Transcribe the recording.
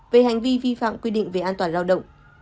về hành vi vi phạm quy định về an toàn lao động